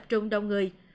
rung đông người